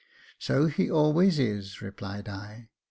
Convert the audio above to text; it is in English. "So he always is," replied I.